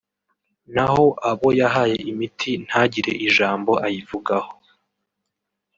naho abo yahaye imiti ntagire ijambo ayivugaho